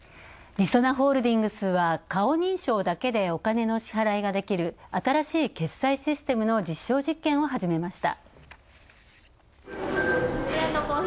りそなホールディングスは、顔認証だけでお金の支払いができる新しい決済システムの実証実験を始めました。